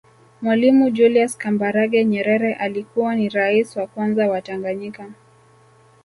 Mwalimu Julius Kambarage Nyerere alikuwa ni Rais wa kwanza wa Tanganyika